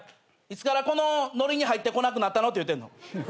いつからこのノリに入ってこなくなったのって言うてるの。